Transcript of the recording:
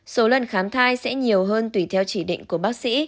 số lần khám thai sẽ nhiều hơn tùy theo chỉ định của bác sĩ